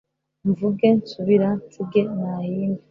mvuge nsubira nsige nahimbe